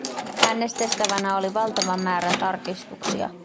Äänestettävänä oli valtava määrä tarkistuksia.